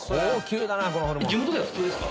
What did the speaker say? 地元では普通ですか？